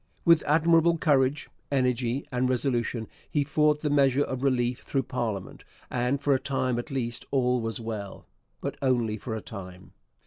With admirable courage, energy, and resolution he fought the measure of relief through parliament, and for a time at least all was well. But only for a time.